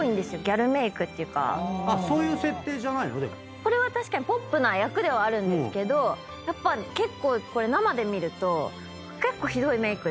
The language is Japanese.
これは確かにポップな役ではあるんですけどやっぱこれ生で見ると結構ひどいメイクで。